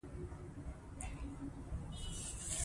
په ټوليز ډول د ژيان يا هونيانو په نوم پېژندل کېدل